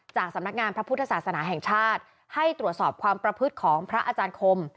จากสำนักงานพระพุทธศาสนาแห่งชาติให้ตรวจสอบความประพฤติของพระอาจารย์คม